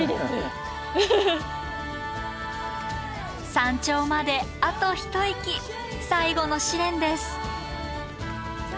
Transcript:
山頂まであと一息最後の試練です。